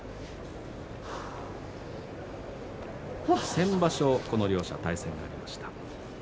先場所この両者対戦がありました。